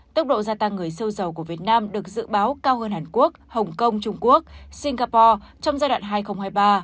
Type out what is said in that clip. tốc độ gia tăng người siêu giàu của việt nam được dự báo cao hơn hàn quốc hồng kông trung quốc singapore trong giai đoạn hai nghìn hai mươi ba hai nghìn hai mươi tám